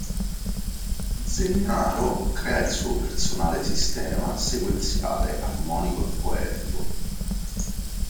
Zennaro crea il suo personale sistema sequenziale armonico e poetico.